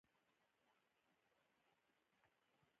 داسې نړۍ چې جوړول یې ناممکن نه دي.